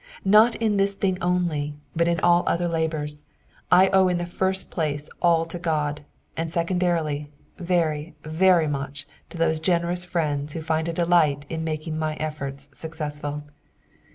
Not in this thing only, but in all other labours, I owe in the first place all to God, and secondarily, very, very much to those generous friends who find a delight in making my efforts successful.